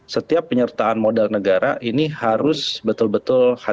setiap penyertaan modal negara ini harus betul betul harus